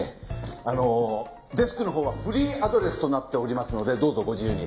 あのデスクのほうはフリーアドレスとなっておりますのでどうぞご自由に。